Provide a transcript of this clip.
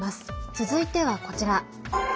続いてはこちら。